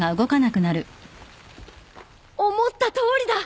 思ったとおりだ。